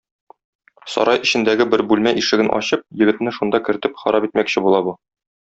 Сарай эчендәге бер бүлмә ишеген ачып, егетне шунда кертеп харап итмәкче була бу.